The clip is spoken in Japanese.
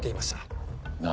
何！？